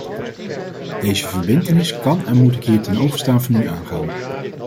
Deze verbintenis kan en moet ik hier ten overstaan van u aangaan.